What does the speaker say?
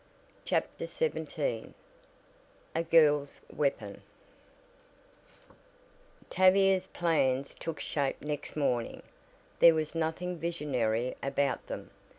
CHAPTER XVII A GIRL'S WEAPON Tavia's plans took shape next morning there was nothing visionary about them.